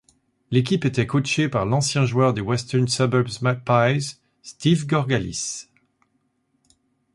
L'équipe était coachée par l'ancien joueur des Western Suburbs Magpies Steve Georgallis.